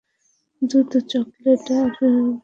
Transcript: দুধ চকোলেট আর ভেজা পাথরের মতো।